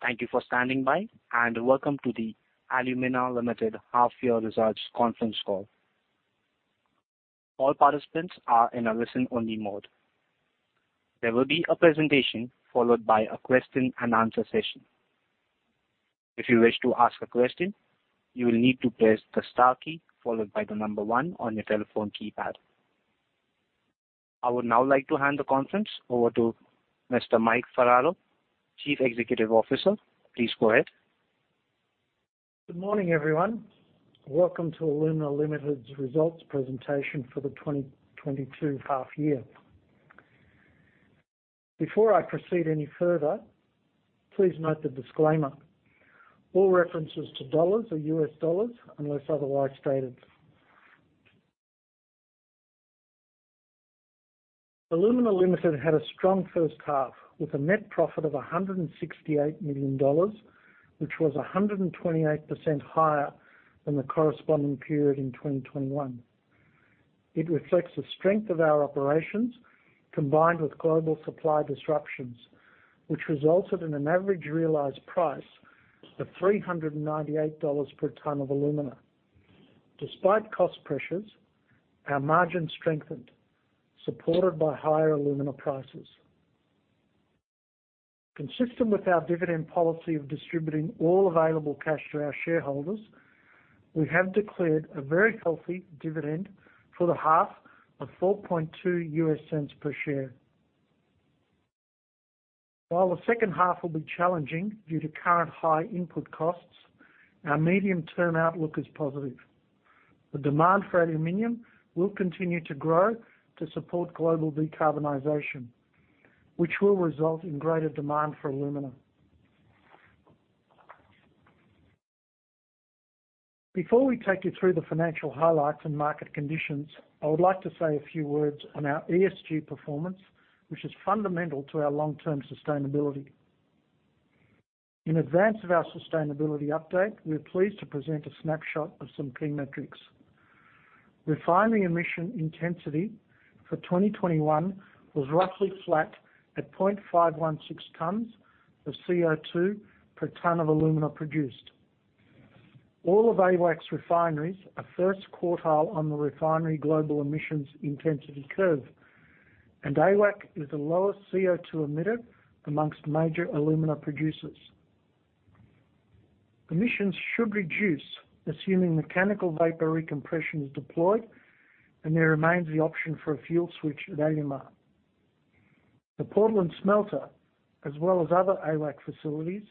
Thank you for standing by, and Welcome to the Alumina Limited Half-Year Results conference call. All participants are in a listen-only mode. There will be a presentation followed by a question and answer session. If you wish to ask a question, you will need to press the star key followed by the number one on your telephone keypad. I would now like to hand the conference over to Mr. Mike Ferraro, Chief Executive Officer. Please go ahead. Good morning, everyone. Welcome to Alumina Limited's results presentation for the 2022 half-year. Before I proceed any further, please note the disclaimer. All references to dollars are US dollars unless otherwise stated. Alumina Limited had a strong first half with a net profit of $168 million, which was 128% higher than the corresponding period in 2021. It reflects the strength of our operations, combined with global supply disruptions, which resulted in an average realized price of $398 per tonne of alumina. Despite cost pressures, our margin strengthened, supported by higher alumina prices. Consistent with our dividend policy of distributing all available cash to our shareholders, we have declared a very healthy dividend for the half of $0.042 per share. While the second half will be challenging due to current high input costs, our medium-term outlook is positive. The demand for aluminum will continue to grow to support global decarbonization, which will result in greater demand for alumina. Before we take you through the financial highlights and market conditions, I would like to say a few words on our ESG performance, which is fundamental to our long-term sustainability. In advance of our sustainability update, we are pleased to present a snapshot of some key metrics. Refining emission intensity for 2021 was roughly flat at 0.516 tons of CO2 per tonne of alumina produced. All of AWAC's refineries are first quartile on the refinery global emissions intensity curve, and AWAC is the lowest CO2 emitter amongst major alumina producers. Emissions should reduce, assuming mechanical vapor recompression is deployed, and there remains the option for a fuel switch at Alumar. The Portland Smelter, as well as other AWAC facilities,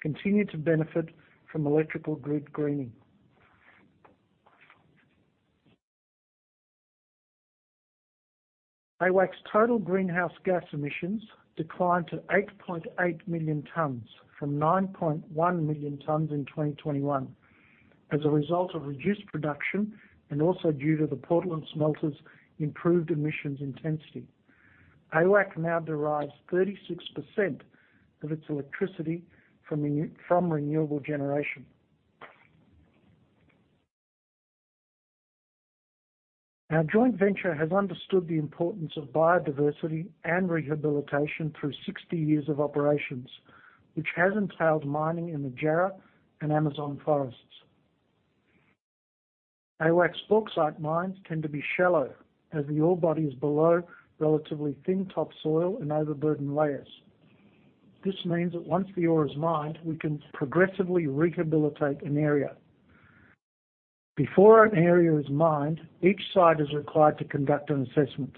continue to benefit from electrical grid greening. AWAC's total greenhouse gas emissions declined to 8.8 million tons from 9.1 million tons in 2021 as a result of reduced production and also due to the Portland Smelter's improved emissions intensity. AWAC now derives 36% of its electricity from renewable generation. Our joint venture has understood the importance of biodiversity and rehabilitation through 60 years of operations, which has entailed mining in the Jarrah and Amazon forests. AWAC's bauxite mines tend to be shallow as the ore body is below relatively thin topsoil and overburden layers. This means that once the ore is mined, we can progressively rehabilitate an area. Before an area is mined, each site is required to conduct an assessment,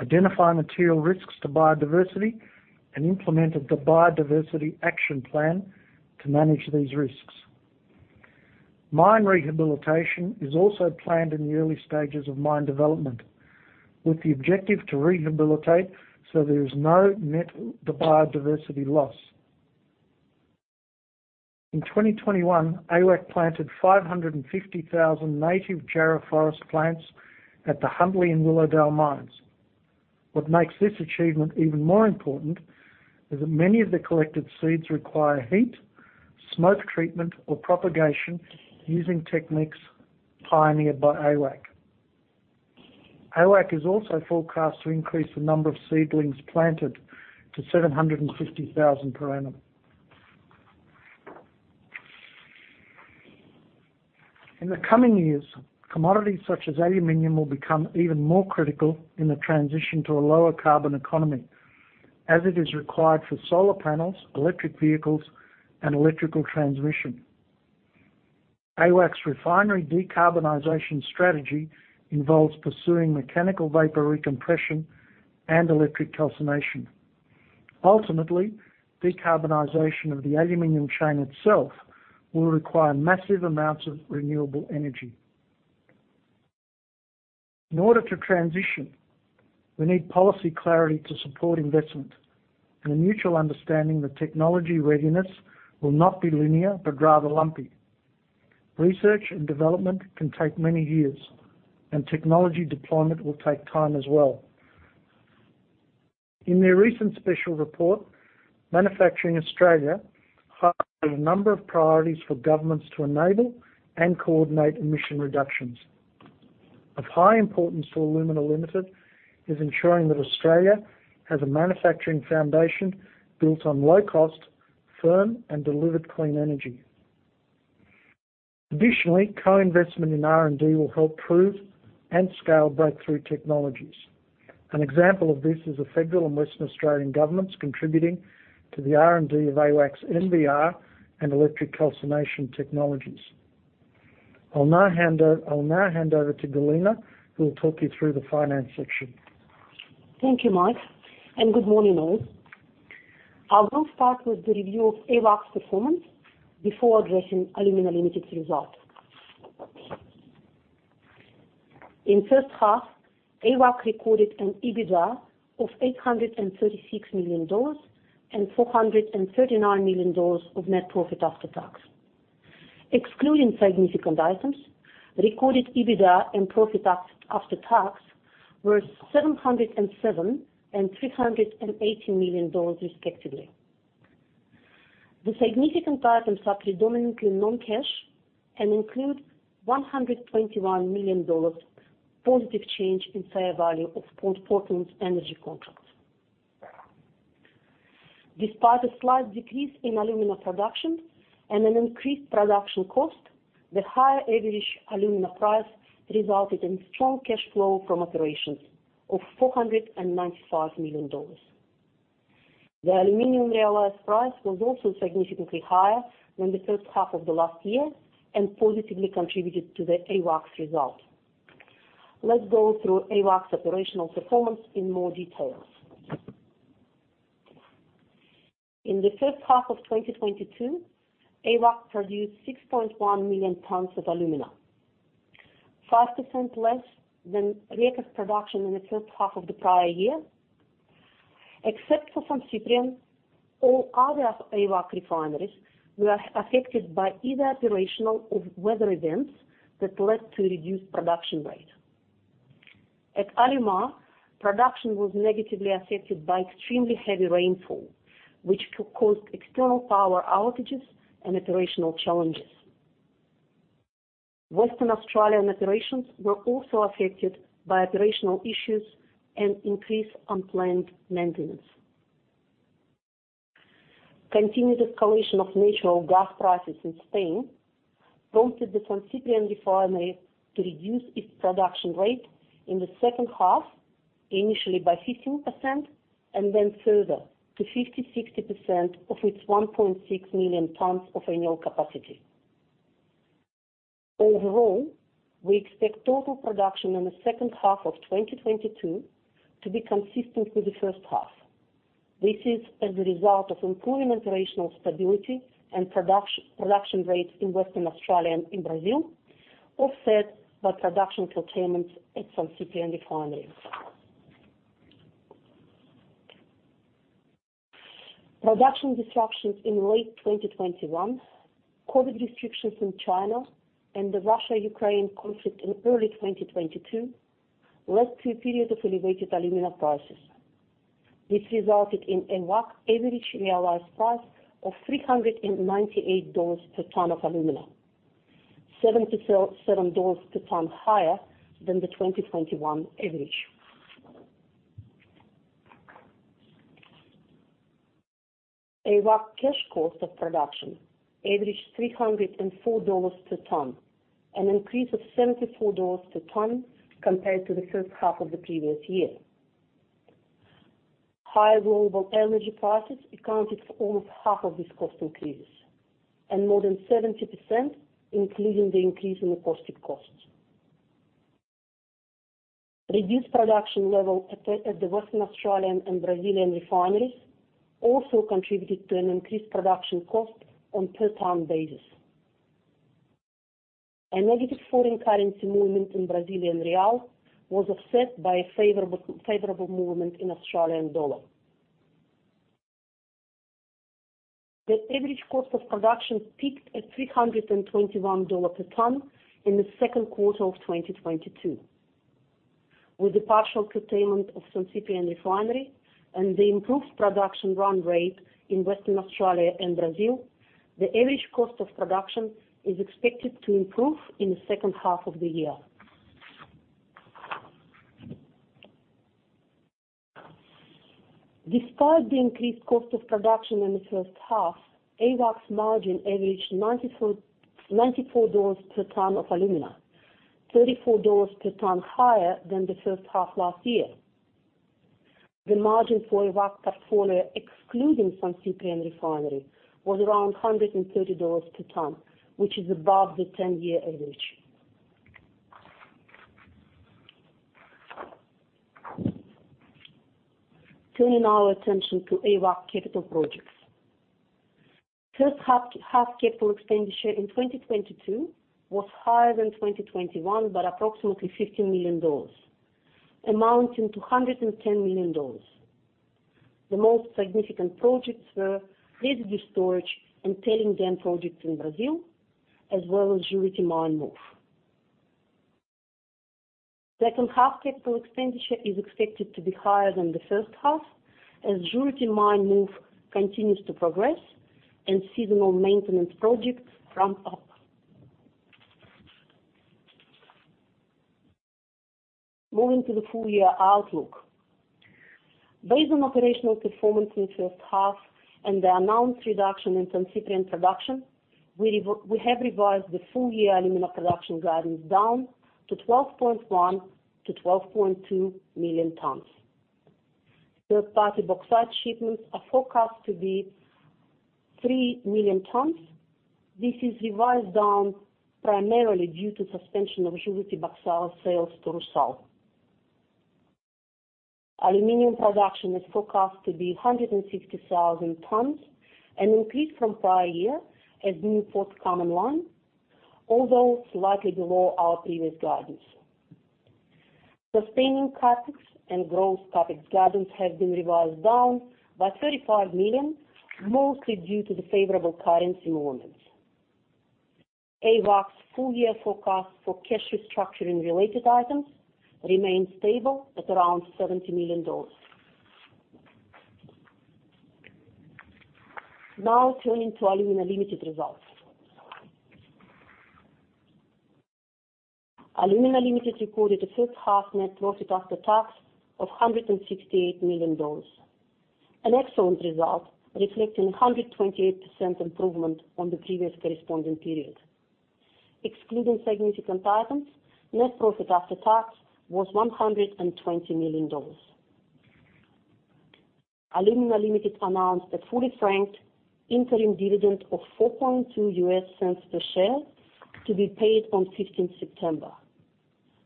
identify material risks to biodiversity, and implement the Biodiversity Action Plan to manage these risks. Mine rehabilitation is also planned in the early stages of mine development, with the objective to rehabilitate so there is no net biodiversity loss. In 2021, AWAC planted 550,000 native Jarrah forest plants at the Huntley and Willowdale mines. What makes this achievement even more important is that many of the collected seeds require heat, smoke treatment, or propagation using techniques pioneered by AWAC. AWAC is also forecast to increase the number of seedlings planted to 750,000 per annum. In the coming years, commodities such as aluminum will become even more critical in the transition to a lower carbon economy as it is required for solar panels, electric vehicles, and electrical transmission. AWAC's refinery decarbonization strategy involves pursuing mechanical vapor recompression and electric calcination. Ultimately, decarbonization of the aluminum chain itself will require massive amounts of renewable energy. In order to transition, we need policy clarity to support investment and a mutual understanding that technology readiness will not be linear, but rather lumpy. Research and development can take many years, and technology deployment will take time as well. In their recent special report, Manufacturing Australia highlighted a number of priorities for governments to enable and coordinate emission reductions. Of high importance to Alumina Limited is ensuring that Australia has a manufacturing foundation built on low cost, firm, and delivered clean energy. Additionally, co-investment in R&D will help prove and scale breakthrough technologies. An example of this is the federal and Western Australian governments contributing to the R&D of AWAC's MVR and electric calcination technologies. I will now hand over to Galina, who will talk you through the finance section. Thank you, Mike, and good morning all. I will start with the review of AWAC's performance before addressing Alumina Limited's result. In first half, AWAC recorded an EBITDA of $836 million and $439 million of net profit after tax. Excluding significant items, recorded EBITDA and profit after tax were $707 million and $380 million respectively. The significant items are predominantly non-cash and include $121 million positive change in fair value of Portland's energy contract. Despite a slight decrease in alumina production and an increased production cost, the higher average alumina price resulted in strong cash flow from operations of $495 million. The aluminum realized price was also significantly higher than the first half of the last year and positively contributed to the AWAC's result. Let's go through AWAC's operational performance in more details. In the first half of 2022, AWAC produced 6.1 million tons of alumina, 5% less than record production in the first half of the prior year. Except for San Ciprián, all other AWAC refineries were affected by either operational or weather events that led to reduced production rate. At Alumar, production was negatively affected by extremely heavy rainfall, which caused external power outages and operational challenges. Western Australian operations were also affected by operational issues and increased unplanned maintenance. Continued escalation of natural gas prices in Spain prompted the San Ciprián refinery to reduce its production rate in the second half, initially by 15%, and then further to 50%-60% of its 1.6 million tons of annual capacity. Overall, we expect total production in the second half of 2022 to be consistent with the first half. This is as a result of improving operational stability and production rates in Western Australia and in Brazil, offset by production curtailments at San Ciprián refinery. Production disruptions in late 2021, COVID restrictions in China, and the Russia-Ukraine conflict in early 2022 led to a period of elevated alumina prices. This resulted in AWAC average realized price of $398 per ton of alumina, $77 per ton higher than the 2021 average. AWAC cash cost of production averaged $304 per tonne, an increase of $74 per tonne compared to the first half of the previous year. Higher global energy prices accounted for almost half of this cost increase, and more than 70%, including the increase in caustic costs. Reduced production level at the Western Australian and Brazilian refineries also contributed to an increased production cost on per tonne basis. A negative foreign currency movement in Brazilian real was offset by a favorable movement in Australian dollar. The average cost of production peaked at $321 per ton in the second quarter of 2022. With the partial curtailment of San Ciprián refinery and the improved production run rate in Western Australia and Brazil, the average cost of production is expected to improve in the second half of the year. Despite the increased cost of production in the first half, AWAC's margin averaged $94 per ton of alumina, $34 per tonne higher than the first half last year. The margin for AWAC's portfolio, excluding San Ciprián refinery, was around $130 per ton, which is above the ten-year average. Turning our attention to AWAC capital projects. First half capital expenditure in 2022 was higher than 2021 by approximately $50 million, amounting to $110 million. The most significant projects were residue storage and tailings dam projects in Brazil, as well as Juruti Mine move. Second half capital expenditure is expected to be higher than the first half as Juruti Mine move continues to progress and seasonal maintenance projects ramp up. Moving to the full year outlook. Based on operational performance in the first half and the announced reduction in transshipment production, we have revised the full year alumina production guidance down to 12.1-12.2 million tons. Third-party bauxite shipments are forecast to be 3 million tons. This is revised down primarily due to suspension of Juruti bauxite sales to Rusal. Aluminum production is forecast to be 160,000 tons, an increase from prior year as new ports come online, although slightly below our previous guidance. Sustaining CapEx and growth CapEx guidance have been revised down by $35 million, mostly due to the favorable currency movements. AWAC's full year forecast for cash restructuring related items remains stable at around $70 million. Now turning to Alumina Limited results. Alumina Limited recorded a first-half net profit after tax of $168 million. An excellent result, reflecting a 128% improvement on the previous corresponding period. Excluding significant items, net profit after tax was $120 million. Alumina Limited announced a fully franked interim dividend of $0.042 per share to be paid on 15th September.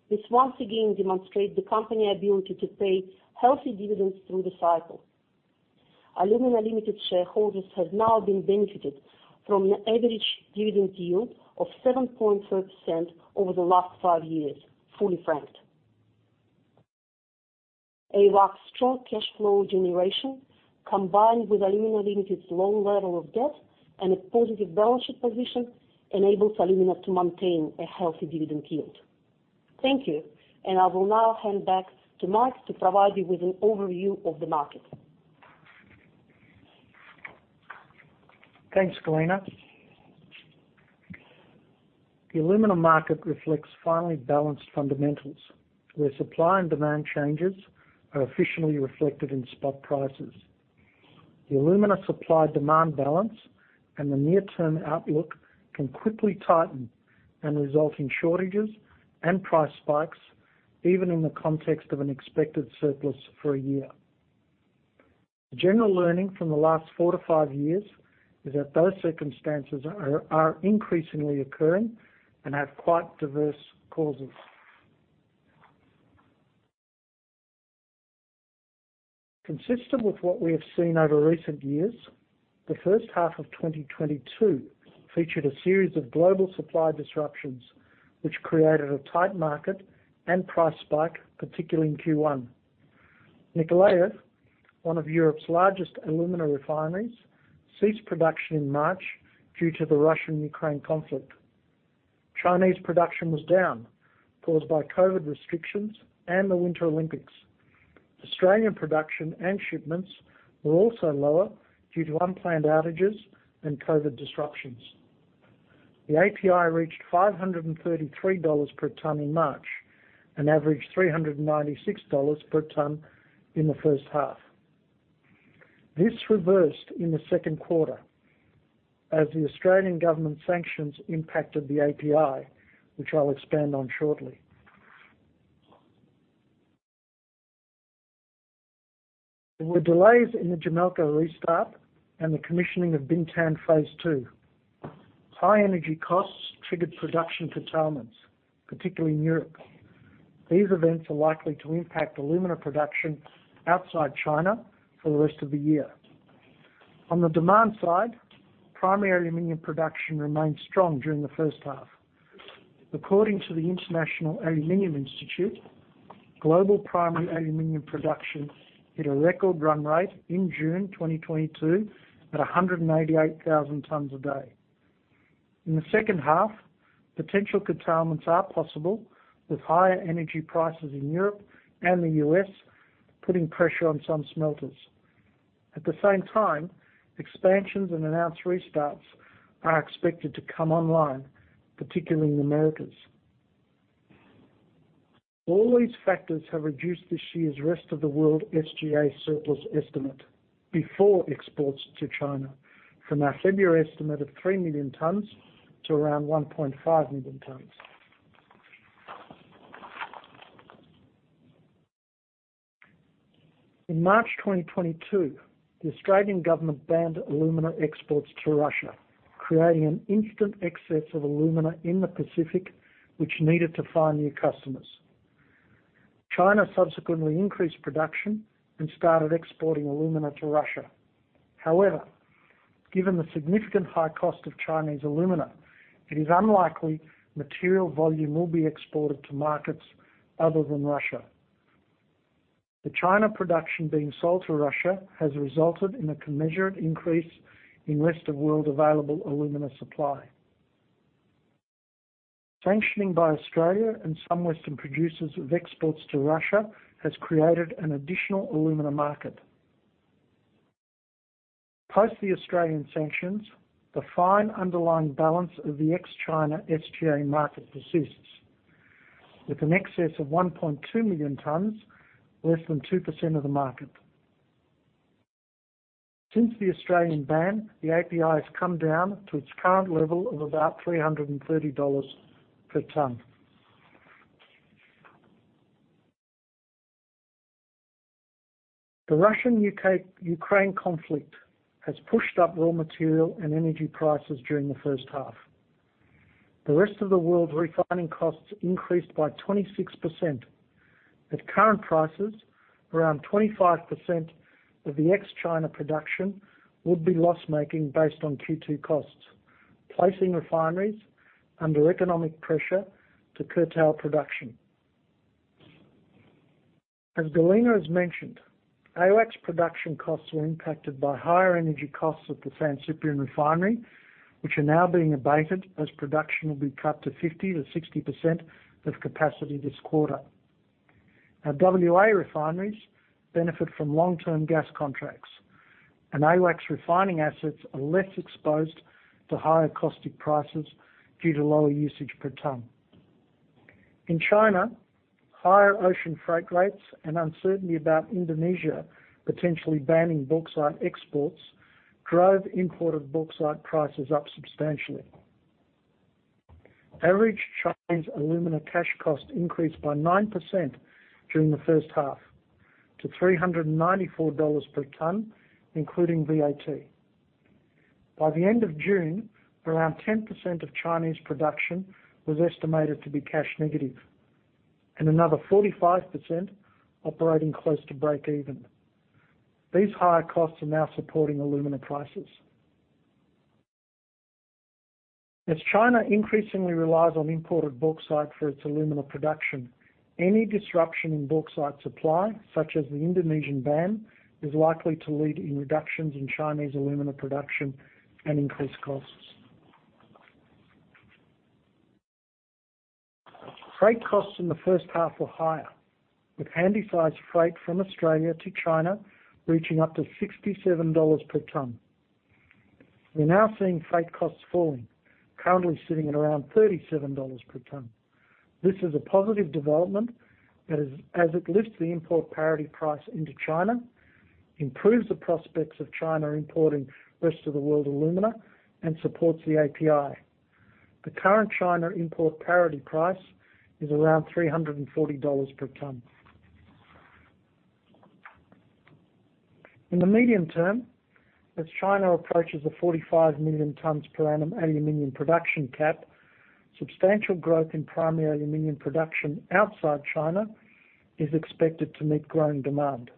This once again demonstrate the company ability to pay healthy dividends through the cycle. Alumina Limited shareholders have now been benefited from an average dividend yield of 7.3% over the last five years, fully franked. AWAC's strong cash flow generation, combined with Alumina Limited's low level of debt and a positive balance sheet position, enables Alumina to maintain a healthy dividend yield. Thank you, and I will now hand back to Mike to provide you with an overview of the market. Thanks, Galina. The alumina market reflects finely balanced fundamentals, where supply and demand changes are efficiently reflected in spot prices. The Alumina supply-demand balance and the near-term outlook can quickly tighten and result in shortages and price spikes, even in the context of an expected surplus for a year. The general learning from the last four to five years is that those circumstances are increasingly occurring and have quite diverse causes. Consistent with what we have seen over recent years, the first half of 2022 featured a series of global supply disruptions, which created a tight market and price spike, particularly in Q1. Mykolaiv, one of Europe's largest alumina refineries, ceased production in March due to the Russian-Ukrainian conflict. Chinese production was down, caused by COVID restrictions and the Winter Olympics. Australian production and shipments were also lower due to unplanned outages and COVID disruptions. The API reached $533 per ton in March and averaged $396 per ton in the first half. This reversed in the second quarter as the Australian government sanctions impacted the API, which I'll expand on shortly. There were delays in the Jamalco restart and the commissioning of Bintan Phase II. High energy costs triggered production curtailments, particularly in Europe. These events are likely to impact alumina production outside China for the rest of the year. On the demand side, primary aluminum production remained strong during the first half. According to the International Aluminum Institute, global primary aluminum production hit a record run rate in June 2022 at 188,000 tons a day. In the second half, potential curtailments are possible, with higher energy prices in Europe and the U.S. putting pressure on some smelters. At the same time, expansions and announced restarts are expected to come online, particularly in the Americas. All these factors have reduced this year's rest of the world SGA surplus estimate before exports to China from our February estimate of 3 million tonnes to around 1.5 million tonnes. In March 2022, the Australian government banned alumina exports to Russia, creating an instant excess of alumina in the Pacific, which needed to find new customers. China subsequently increased production and started exporting alumina to Russia. However, given the significant high cost of Chinese alumina, it is unlikely material volume will be exported to markets other than Russia. The China production being sold to Russia has resulted in a commensurate increase in rest-of-world available alumina supply. Sanctioning by Australia and some Western producers of exports to Russia has created an additional alumina market. Post the Australian sanctions, the tight underlying balance of the ex-China SGA market persists, with an excess of 1.2 million tonnes, less than 2% of the market. Since the Australian ban, the API has come down to its current level of about $330 per tonne. The Russian-Ukraine conflict has pushed up raw material and energy prices during the first half. The rest of the world refining costs increased by 26%. At current prices, around 25% of the ex-China production would be loss-making based on Q2 costs, placing refineries under economic pressure to curtail production. As Galina has mentioned, AWAC's production costs were impacted by higher energy costs at the San Ciprián refinery, which are now being abated as production will be cut to 50%-60% of capacity this quarter. Our WA refineries benefit from long-term gas contracts, and AWAC's refining assets are less exposed to higher caustic prices due to lower usage per tonne. In China, higher ocean freight rates and uncertainty about Indonesia potentially banning bauxite exports drove imported bauxite prices up substantially. Average Chinese alumina cash cost increased by 9% during the first half to $394 per ton, including VAT. By the end of June, around 10% of Chinese production was estimated to be cash negative and another 45% operating close to breakeven. These higher costs are now supporting alumina prices. As China increasingly relies on imported bauxite for its alumina production, any disruption in bauxite supply, such as the Indonesian ban, is likely to lead to reductions in Chinese alumina production and increased costs. Freight costs in the first half were higher, with Handysize freight from Australia to China reaching up to $67 per ton. We're now seeing freight costs falling, currently sitting at around $37 per ton. This is a positive development as it lifts the import parity price into China, improves the prospects of China importing rest of the world alumina, and supports the API. The current China import parity price is around $340 per ton. In the medium term, as China approaches a 45 million tonnes per annum aluminum production cap, substantial growth in primary aluminum production outside China is expected to meet growing demand.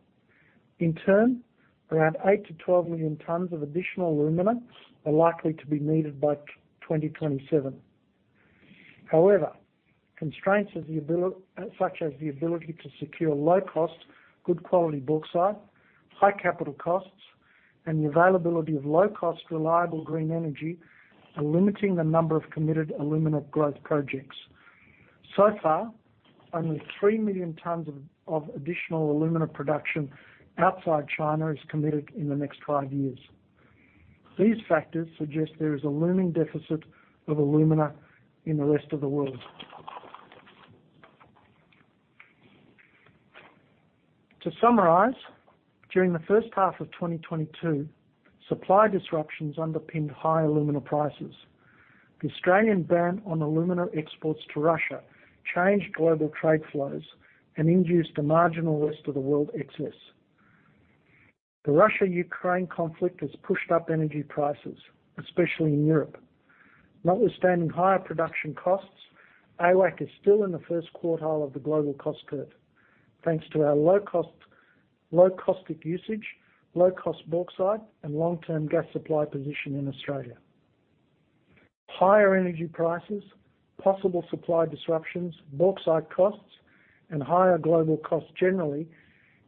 In turn, around 8-12 million tonnes of additional alumina are likely to be needed by 2027. Constraints such as the ability to secure low-cost, good quality bauxite, high capital costs, and the availability of low-cost, reliable green energy are limiting the number of committed alumina growth projects. So far, only 3 million tons of additional alumina production outside China is committed in the next five years. These factors suggest there is a looming deficit of alumina in the rest of the world. To summarize, during the first half of 2022, supply disruptions underpinned high alumina prices. The Australian ban on alumina exports to Russia changed global trade flows and induced a marginal rest of the world excess. The Russia-Ukraine conflict has pushed up energy prices, especially in Europe. Notwithstanding higher production costs, AWAC is still in the first quartile of the global cost curve, thanks to our low-cost, low caustic usage, low-cost bauxite, and long-term gas supply position in Australia. Higher energy prices, possible supply disruptions, bauxite costs, and higher global costs generally,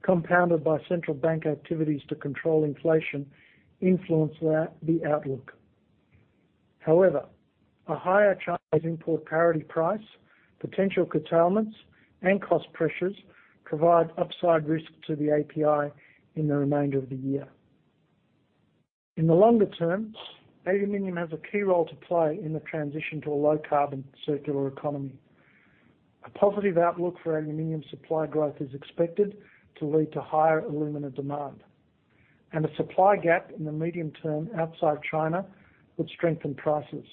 compounded by central bank activities to control inflation, influence the outlook. However, a higher China import parity price, potential curtailments, and cost pressures provide upside risk to the API in the remainder of the year. In the longer term, aluminum has a key role to play in the transition to a low-carbon circular economy. A positive outlook for aluminum supply growth is expected to lead to higher alumina demand, and a supply gap in the medium term outside China would strengthen prices.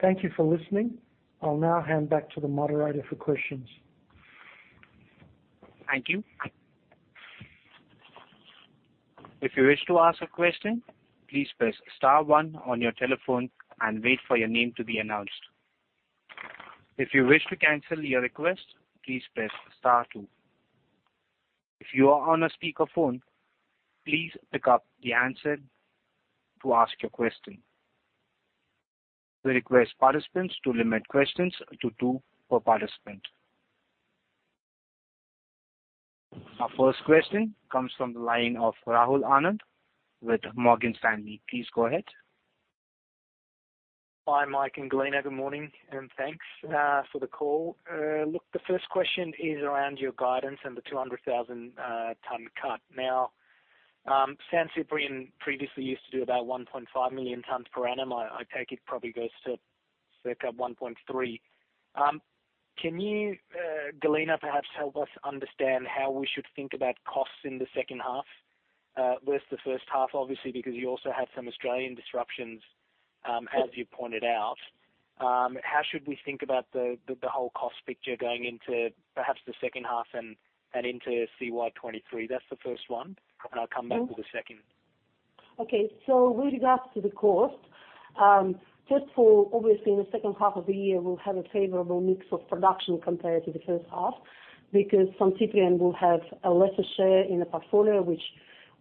Thank you for listening. I'll now hand back to the moderator for questions. Thank you. If you wish to ask a question, please press star one on your telephone and wait for your name to be announced. If you wish to cancel your request, please press star two. If you are on a speakerphone, please pick up the answer to ask your question. We request participants to limit questions to two per participant. Our first question comes from the line of Rahul Anand with Morgan Stanley. Please go ahead. Hi, Mike Ferraro and Galina Kraeva. Good morning, and thanks for the call. Look, the first question is around your guidance and the 200,000 ton cut. Now, San Ciprián previously used to do about 1.5 million tons per annum. I take it probably goes to circa 1.3. Galina, perhaps help us understand how we should think about costs in the second half versus the first half, obviously, because you also had some Australian disruptions, as you pointed out. How should we think about the whole cost picture going into perhaps the second half and into CY 2023? That's the first one, and I'll come back with a second. Okay. With regards to the cost, first of all, obviously in the second half of the year we'll have a favorable mix of production compared to the first half because San Ciprián will have a lesser share in the portfolio, which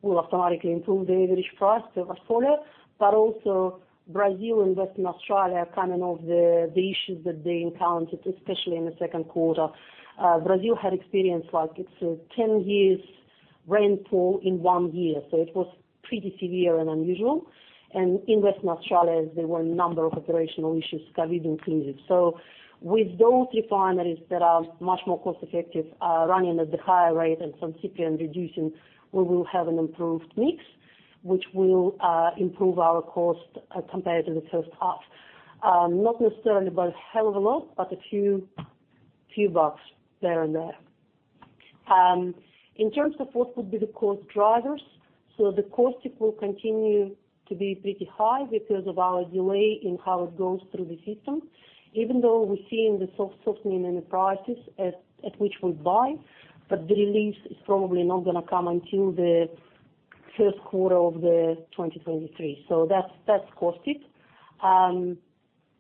will automatically improve the average price of the portfolio. Also Brazil and Western Australia are coming off the issues that they encountered, especially in the second quarter. Brazil had experienced like its 10 years' rainfall in one year, so it was pretty severe and unusual. In Western Australia, there were a number of operational issues, COVID included. With those refineries that are much more cost-effective running at the higher rate and San Ciprián reducing, we will have an improved mix, which will improve our cost compared to the first half. Not necessarily by a hell of a lot, but a few bucks there and there. In terms of what would be the cost drivers, the caustic will continue to be pretty high because of our delay in how it goes through the system. Even though we're seeing the softening in the prices at which we buy, but the release is probably not gonna come until the first quarter of 2023. That's caustic.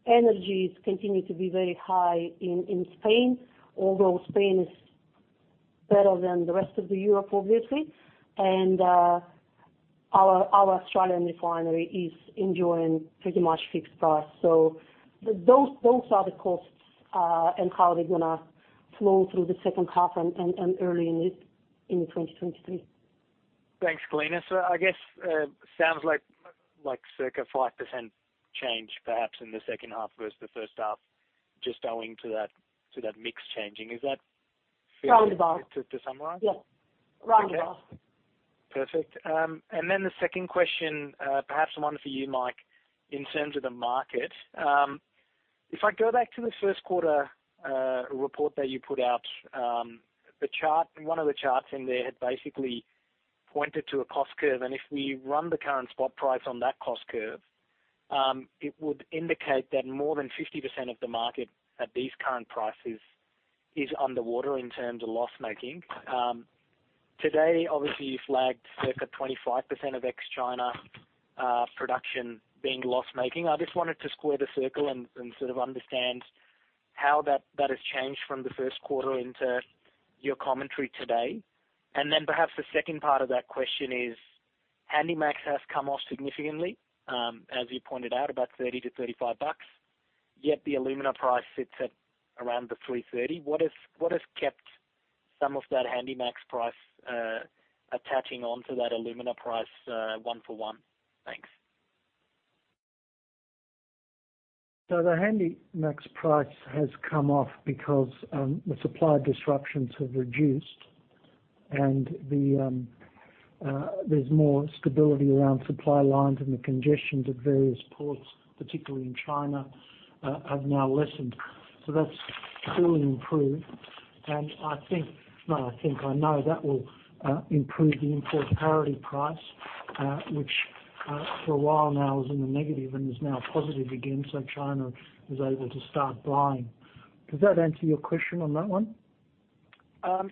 Energies continue to be very high in Spain, although Spain is better than the rest of Europe, obviously. Our Australian refinery is enjoying pretty much fixed price. Those are the costs and how they're gonna flow through the second half and early in 2023. Thanks, Galina. I guess sounds like circa 5% change perhaps in the second half versus the first half, just owing to that mix changing. Is that fair? Round about. To summarize? Yes. Round about. Okay. Perfect. The second question, perhaps one for you, Mike, in terms of the market. If I go back to the first quarter report that you put out, the chart one of the charts in there had basically pointed to a cost curve. If we run the current spot price on that cost curve, it would indicate that more than 50% of the market at these current prices is underwater in terms of loss-making. Today obviously you flagged circa 25% of ex-China production being loss-making. I just wanted to square the circle and sort of understand how that has changed from the first quarter into your commentary today. Perhaps the second part of that question is, Handysize has come off significantly, as you pointed out, about $30-$35, yet the alumina price sits at around the $330. What has kept some of that Handysize price attaching onto that alumina price 1-1? Thanks. The Handysize price has come off because the supply disruptions have reduced and there's more stability around supply lines and the congestions at various ports, particularly in China, have now lessened. That's fully improved. I think I know that will improve the import parity price, which for a while now is in the negative and is now positive again, so China is able to start buying. Does that answer your question on that one?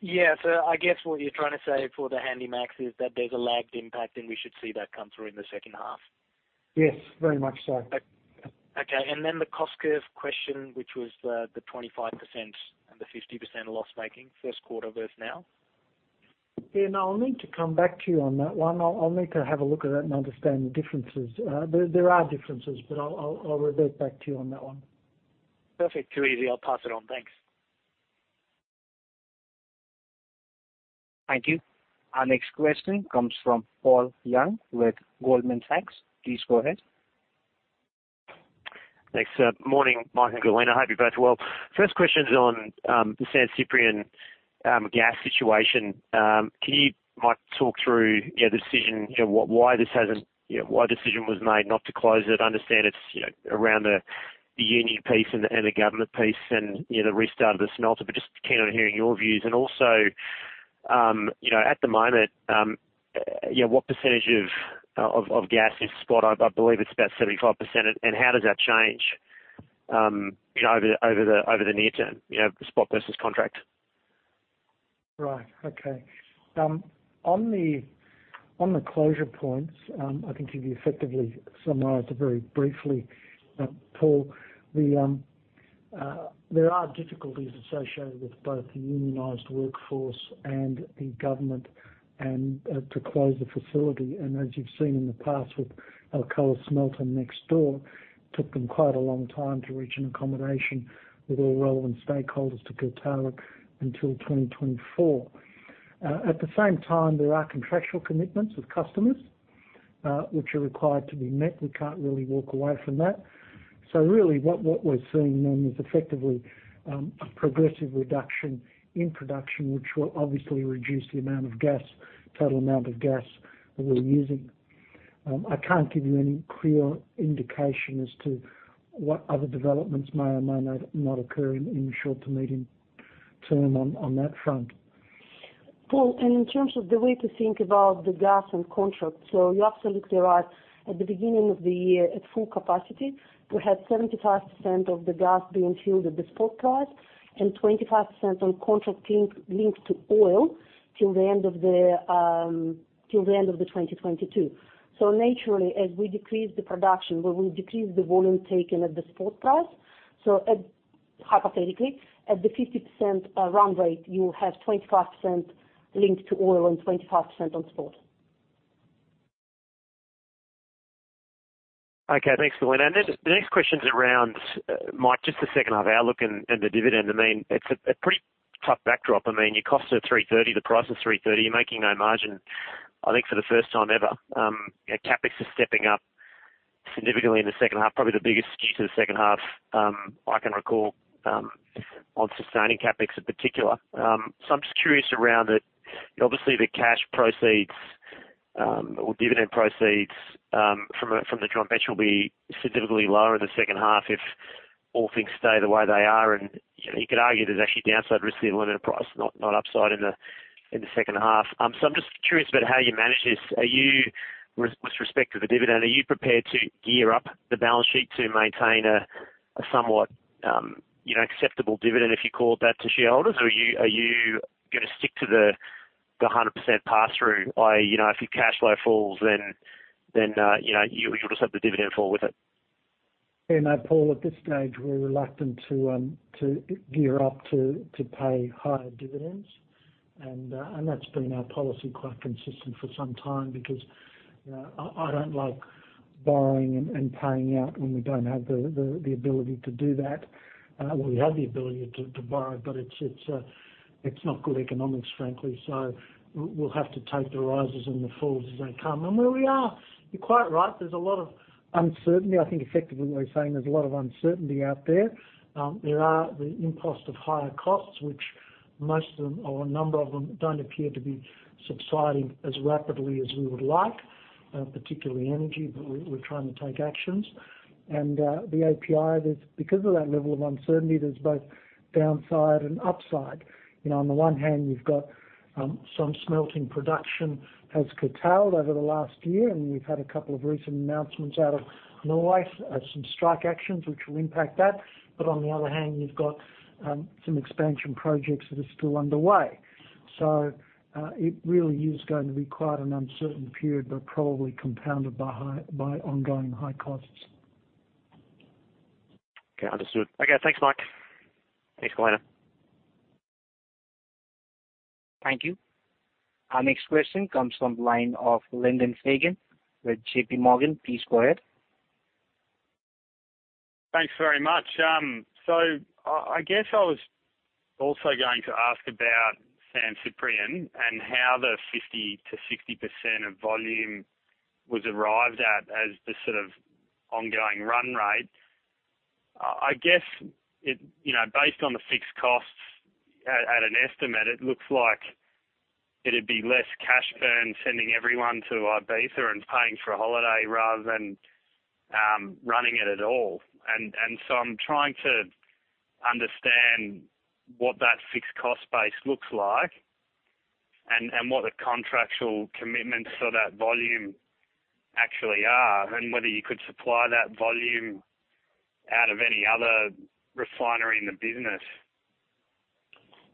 Yes. I guess what you're trying to say for the Handysize is that there's a lagged impact, and we should see that come through in the second half. Yes, very much so. Okay. The cost curve question, which was the 25% and the 50% loss-making first quarter versus now. Yeah, no, I'll need to come back to you on that one. I'll need to have a look at that and understand the differences. There are differences, but I'll revert back to you on that one. Perfect. Too easy. I'll pass it on. Thanks. Thank you. Our next question comes from Paul Young with Goldman Sachs. Please go ahead. Thanks. Morning, Mike and Galina. Hope you're both well. First question is on the San Ciprián gas situation. Can you, Mike, talk through, you know, the decision, you know, why this hasn't, you know, why the decision was made not to close it? I understand it's, you know, around the union piece and the government piece and the restart of the smelter, but just keen on hearing your views. Also, at the moment, what percentage of gas is spot? I believe it's about 75%. How does that change over the near term, spot versus contract? Right. Okay. On the closure points, I think you've effectively summarized it very briefly, Paul. There are difficulties associated with both the unionized workforce and the government and to close the facility. As you've seen in the past with Alcoa's smelter next door, took them quite a long time to reach an accommodation with all relevant stakeholders at Port Talbot until 2024. At the same time, there are contractual commitments with customers, which are required to be met. We can't really walk away from that. Really what we're seeing then is effectively a progressive reduction in production, which will obviously reduce the amount of gas, total amount of gas that we're using. I can't give you any clear indication as to what other developments may or may not occur in the short to medium term on that front. Paul, in terms of the way to think about the gas and contract. You're absolutely right. At the beginning of the year, at full capacity, we had 75% of the gas being fixed at the spot price and 25% on contract linked to oil till the end of 2022. Naturally, as we decrease the production, we decrease the volume taken at the spot price. Hypothetically, at the 50% run rate, you have 25% linked to oil and 25% on spot. Okay. Thanks, Galina. The next question is around Mike, just the second half outlook and the dividend. I mean, it's a pretty tough backdrop. I mean, your cost is $330, the price is $330. You're making no margin, I think for the first time ever. Your CapEx is stepping up significantly in the second half, probably the biggest skew to the second half I can recall on sustaining CapEx in particular. So I'm just curious around it. Obviously, the cash proceeds or dividend proceeds from the joint venture will be significantly lower in the second half if all things stay the way they are. You know, you could argue there's actually downside risk to the aluminum price, not upside in the second half. So I'm just curious about how you manage this. Are you with respect to the dividend, are you prepared to gear up the balance sheet to maintain a somewhat you know acceptable dividend, if you call it that, to shareholders? Or are you gonna stick to the 100% pass-through? You know, if your cash flow falls, then you know, you'll just have the dividend fall with it. Yeah. No, Paul, at this stage, we're reluctant to gear up to pay higher dividends. That's been our policy quite consistent for some time because, you know, I don't like borrowing and paying out when we don't have the ability to do that. We have the ability to borrow, but it's not good economics, frankly. We'll have to take the rises and the falls as they come. Where we are, you're quite right. There's a lot of uncertainty. I think effectively what we're saying, there's a lot of uncertainty out there. There are the impact of higher costs, which most of them or a number of them don't appear to be subsiding as rapidly as we would like, particularly energy, but we're trying to take actions. The API, because of that level of uncertainty, there's both downside and upside. You know, on the one hand, you've got some smelting production has curtailed over the last year, and we've had a couple of recent announcements out of Norway, some strike actions which will impact that. On the other hand, you've got some expansion projects that are still underway. It really is going to be quite an uncertain period, but probably compounded by ongoing high costs. Okay. Understood. Okay. Thanks, Mike. Thanks, Galina. Thank you. Our next question comes from line of Lyndon Fagan with JPMorgan. Please go ahead. Thanks very much. I guess I was also going to ask about San Ciprián and how the 50%-60% of volume was arrived at as the sort of ongoing run rate. I guess it, you know, based on the fixed costs at an estimate, it looks like it'd be less cash burn sending everyone to Ibiza and paying for a holiday rather than running it at all. I'm trying to understand what that fixed cost base looks like and what the contractual commitments for that volume actually are, and whether you could supply that volume out of any other refinery in the business.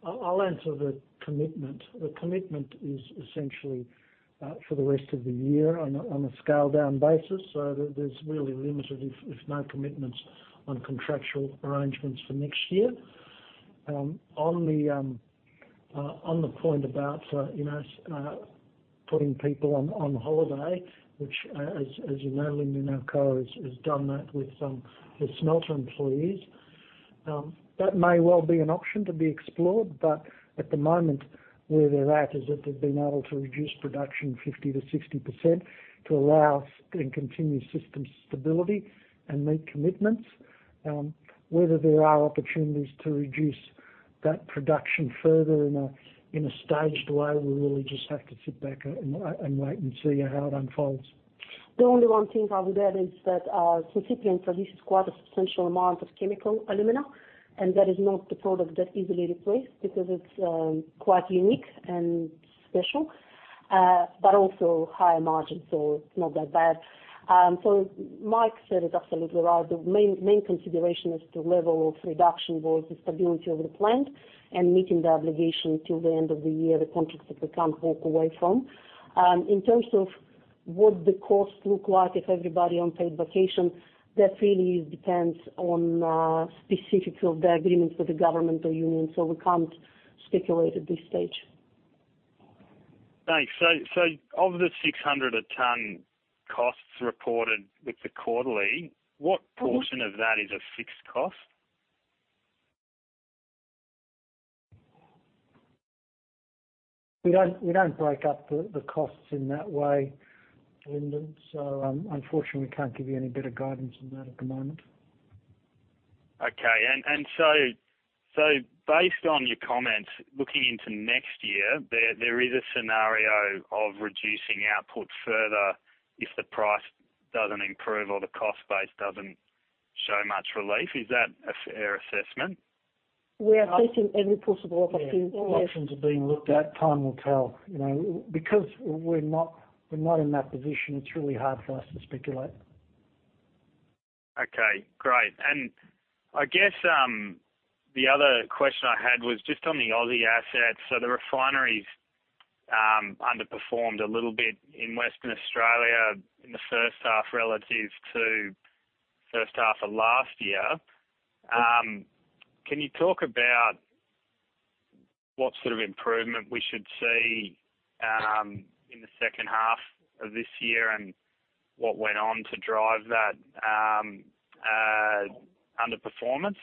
I'll answer the commitment. The commitment is essentially for the rest of the year on a scale down basis. There's really limited if no commitments on contractual arrangements for next year. On the point about, you know, putting people on holiday, which, as you know, Lyndon, Alcoa has done that with some of the smelter employees. That may well be an option to be explored, but at the moment, where they're at is that they've been able to reduce production 50%-60% to allow and continue system stability and meet commitments. Whether there are opportunities to reduce that production further in a staged way, we really just have to sit back and wait and see how it unfolds. The only one thing I would add is that San Ciprián produces quite a substantial amount of chemical alumina, and that is not the product that easily replaced because it's quite unique and special, but also higher margin, so it's not that bad. Mike said it absolutely right. The main consideration is the level of reduction versus stability of the plant and meeting the obligation till the end of the year, the contracts that we can't walk away from. In terms of what the costs look like if everybody on paid vacation, that really depends on specifics of the agreements with the government or union. We can't speculate at this stage. Thanks. Of the $600 a ton costs reported with the quarterly Mm-hmm. What portion of that is a fixed cost? We don't break up the costs in that way, Lyndon, so unfortunately, we can't give you any better guidance on that at the moment. Based on your comments looking into next year, there is a scenario of reducing output further if the price doesn't improve or the cost base doesn't show much relief. Is that a fair assessment? We are seeking every possible opportunity, yes. All options are being looked at. Time will tell. You know, because we're not in that position, it's really hard for us to speculate. Okay, great. I guess the other question I had was just on the Aussie assets. The refineries underperformed a little bit in Western Australia in the first half relative to first half of last year. Can you talk about what sort of improvement we should see in the second half of this year and what went on to drive that underperformance?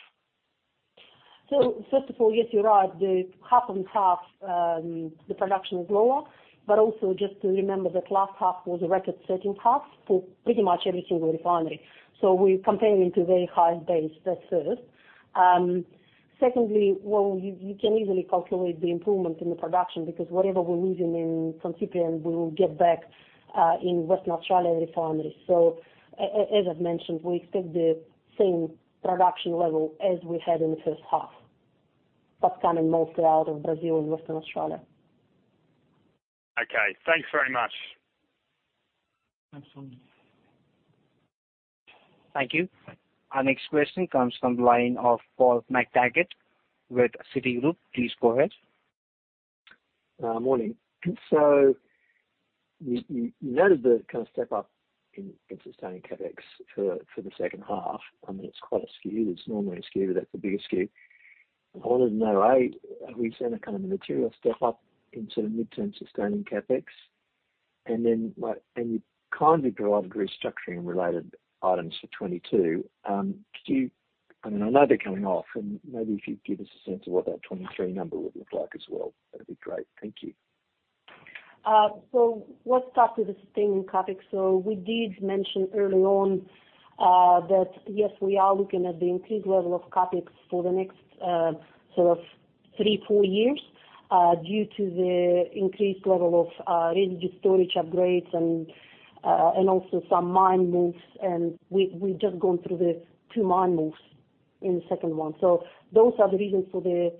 First of all, yes, you're right. The 50/50, the production is lower. Also just to remember that last half was a record-setting half for pretty much every single refinery. We're comparing into very high base. That's first. Secondly, you can easily calculate the improvement in the production because whatever we're losing in San Ciprián, we will get back in Western Australia refineries. As I've mentioned, we expect the same production level as we had in the first half. That's coming mostly out of Brazil and Western Australia. Okay, thanks very much. Thanks, Lyndon. Thank you. Our next question comes from the line of Paul McTaggart with Citigroup. Please go ahead. Morning. You noted the kind of step up in sustaining CapEx for the second half. I mean, it's quite a skew. It's normally a skew, but that's a bigger skew. I wanted to know, A, are we seeing a kind of a material step up into the midterm sustaining CapEx? Like, you kind of drove restructuring related items for 2022. Could you? I mean, I know they're coming off, and maybe if you could give us a sense of what that 2023 number would look like as well, that'd be great. Thank you. Let's start with the sustaining CapEx. We did mention early on that yes, we are looking at the increased level of CapEx for the next sort of three-four years due to the increased level of really the storage upgrades and also some mine moves. We've just gone through the two mine moves in the second one. Those are the reasons for the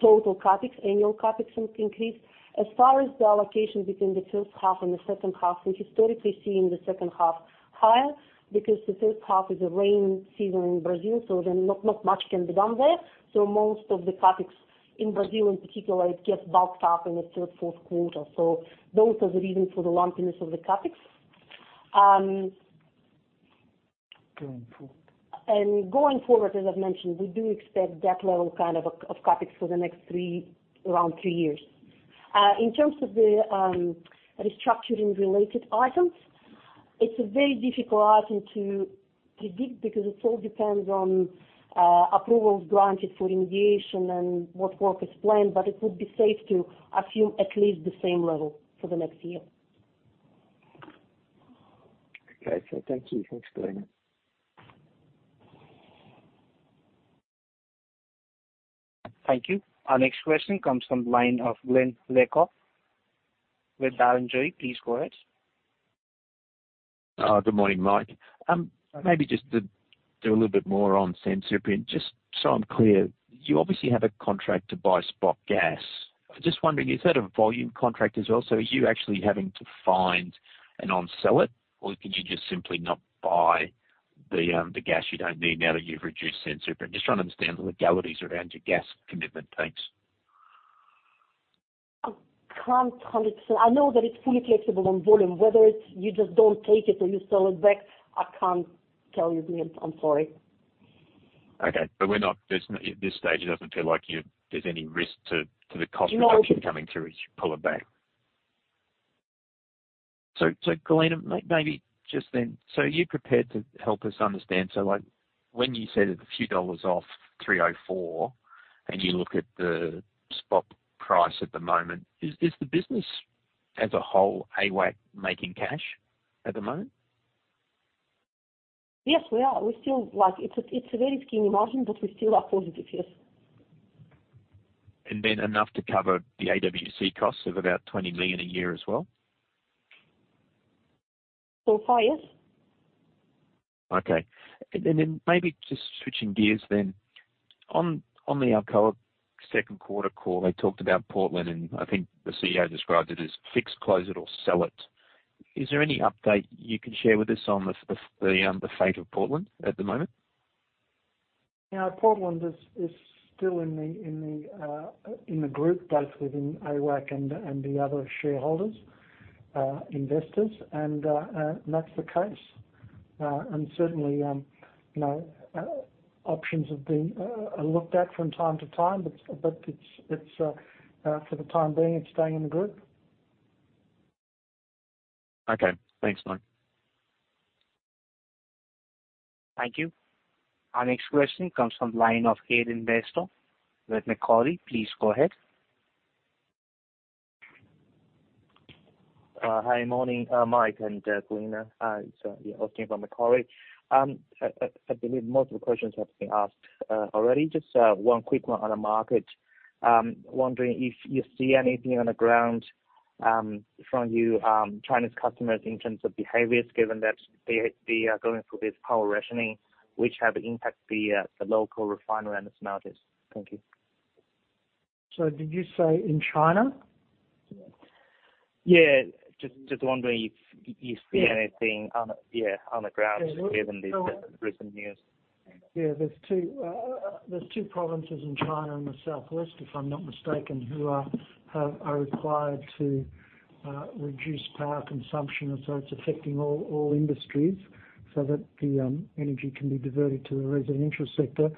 total CapEx, annual CapEx increase. As far as the allocation between the first half and the second half, we historically see in the second half higher because the first half is a rain season in Brazil, so then not much can be done there. Most of the CapEx in Brazil in particular gets bulked up in the third, fourth quarter. Those are the reasons for the lumpiness of the CapEx. Um... Going forward. Going forward, as I've mentioned, we do expect that level kind of CapEx for the next around three years. In terms of the restructuring related items, it's a very difficult item to predict because it all depends on approvals granted for remediation and what work is planned, but it would be safe to assume at least the same level for the next year. Okay. Thank you. Thanks, Galina. Thank you. Our next question comes from the line of Glyn Lawcock with Barrenjoey. Please go ahead. Good morning, Mike. Maybe just to do a little bit more on San Ciprián, just so I'm clear, you obviously have a contract to buy spot gas. I'm just wondering, is that a volume contract as well? So are you actually having to find and on-sell it, or could you just simply not buy the gas you don't need now that you've reduced San Ciprián? Just trying to understand the legalities around your gas commitment. Thanks. I can't tell it. I know that it's fully flexible on volume. Whether it's you just don't take it or you sell it back, I can't tell you, Glyn. I'm sorry. Okay. At this stage, it doesn't feel like there's any risk to the cost production coming through as you pull it back. Galina, maybe just then, you're prepared to help us understand. Like when you said a few dollars off $304 and you look at the spot price at the moment, is the business as a whole, AWAC making cash at the moment? Yes, we are. We're still like it's a very skinny margin, but we still are positive, yes. enough to cover the AWAC costs of about $20 million a year as well? So far, yes. Okay. Maybe just switching gears then. On the Alcoa second quarter call, they talked about Portland, and I think the CEO described it as fix, close it or sell it. Is there any update you can share with us on the fate of Portland at the moment? Yeah. Portland is still in the group, both within AWAC and the other shareholders, investors. That's the case. Certainly, you know, options have been looked at from time to time, but it's for the time being, it's staying in the group. Okay. Thanks, Mike. Thank you. Our next question comes from the line of Hayden Bairstow with Macquarie. Please go ahead. Hi, morning, Mike and Galina. It's Hayden Bairstow from Macquarie. I believe most of the questions have been asked already. Just one quick one on the market. Wondering if you see anything on the ground from your Chinese customers in terms of behaviors, given that they are going through this power rationing, which has impacted the local refinery and smelters. Thank you. Did you say in China? Yeah. Just wondering if you see anything on the- Yeah. Yeah, on the ground given this recent news. There's two provinces in China in the southwest, if I'm not mistaken, who are required to reduce power consumption. It's affecting all industries so that the energy can be diverted to the residential sector.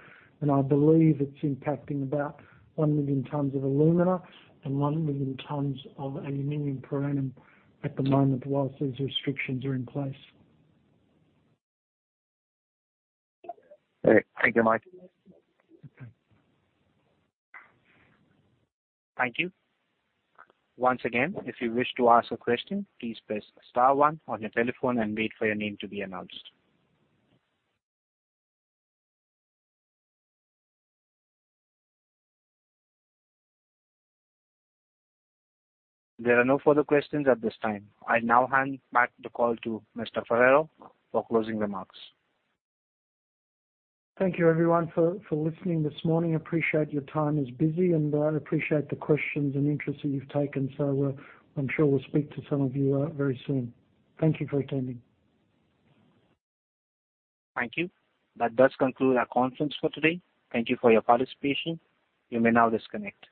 I believe it's impacting about 1 million tons of alumina and 1 million tons of aluminum per annum at the moment, while these restrictions are in place. Great. Thank you, Mike. Thank you. Once again, if you wish to ask a question, please press star one on your telephone and wait for your name to be announced. There are no further questions at this time. I now hand back the call to Mr. Ferraro for closing remarks. Thank you everyone for listening this morning. Appreciate your time is busy and appreciate the questions and interest that you've taken. I'm sure we'll speak to some of you very soon. Thank you for attending. Thank you. That does conclude our conference for today. Thank you for your participation. You may now disconnect.